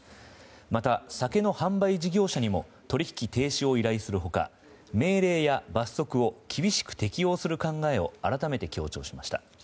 また酒の販売事業者にも取引停止を依頼する他命令や罰則を厳しく適用する考えを改めて強調しました。